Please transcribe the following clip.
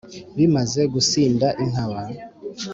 bimaze gusinda inkaba